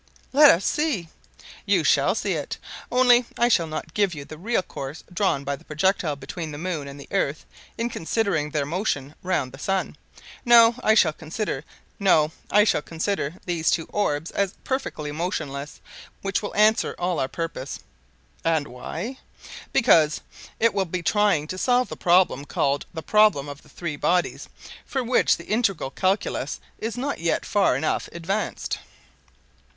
"Let us see." "You shall see it; only I shall not give you the real course drawn by the projectile between the moon and the earth in considering their motion round the sun. No, I shall consider these two orbs as perfectly motionless, which will answer all our purpose." "And why?" "Because it will be trying to solve the problem called 'the problem of the three bodies,' for which the integral calculus is not yet far enough advanced."